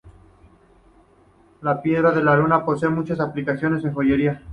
La piedra de luna posee muchas aplicaciones en joyería.